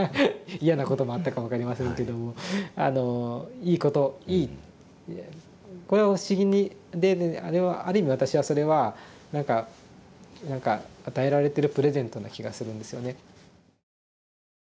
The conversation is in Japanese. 嫌なこともあったか分かりませんけどもあのいいこといいこれは不思議である意味私はそれは何か何か与えられてるプレゼントな気がするんですよね。